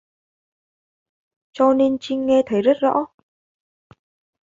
Cho nên trinh nghe thấy rất rõ